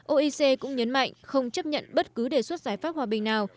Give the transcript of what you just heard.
oec cũng nhấn mạnh không chấp nhận bất cứ đề xuất giải pháp hòa bình nào